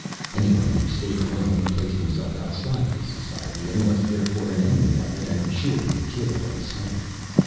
Anyone who stayed alone placed himself outside this society and was therefore an enemy of it and sure to be killed on sight.